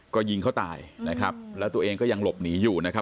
ก็ยิงเขาตายนะครับแล้วตัวเองก็ยังหลบหนีอยู่นะครับ